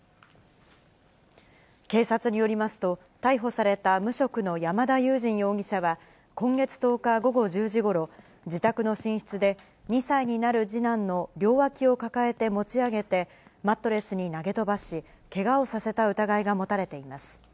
警察によりますと、逮捕された無職の山田裕仁容疑者は、今月１０日午後１０時ごろ、自宅の寝室で、２歳になる次男の両脇を抱えて持ち上げて、マットレスに投げ飛ばし、けがをさせた疑いが持たれています。